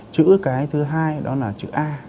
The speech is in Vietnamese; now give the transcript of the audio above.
chữ cái thứ hai đó là chữ a